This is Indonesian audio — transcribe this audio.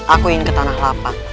aku ingin ke tanah lapak